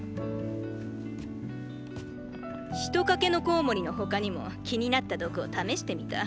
ヒトカケノコウモリの他にも気になった毒を試してみた。